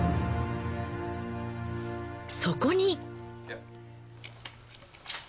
そこに。